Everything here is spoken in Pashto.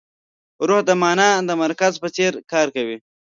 روح د مانا د مرکز په څېر کار کوي.